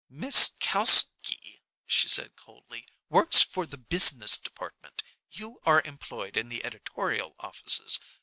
"Miss Kalski," she said coldly, "works for the business department. You are employed in the editorial offices.